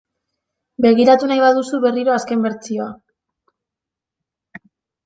Begiratu nahi baduzu berriro azken bertsioa .